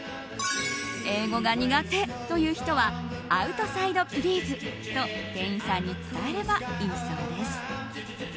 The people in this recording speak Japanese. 英語が苦手という人はアウトサイドプリーズと店員さんに伝えればいいそうです。